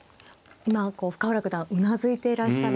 今こう深浦九段うなずいていらっしゃる。